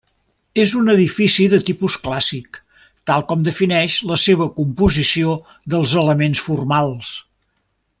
És un edifici de tipus clàssic, tal com defineix la seva composició dels elements formals.